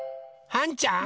はんちゃん？